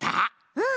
うん。